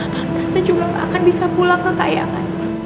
tante juga gak akan bisa pulang kekayaan